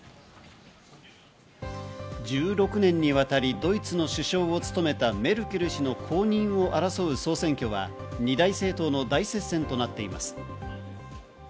１６年にわたりドイツの首相を務めたメルケル氏の後任を争う総選挙は、２大政党の大接戦となっています。